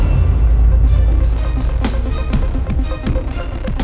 i promise pangeran